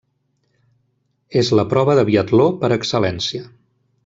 És la prova de biatló per excel·lència.